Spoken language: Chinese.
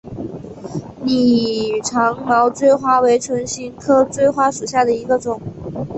拟长毛锥花为唇形科锥花属下的一个种。